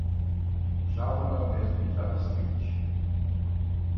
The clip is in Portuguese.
Java não é o mesmo que JavaScript.